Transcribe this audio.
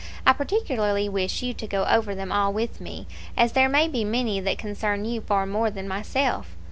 I particularly wish you to go over them all with me, as there may be many that concern you far more than myself.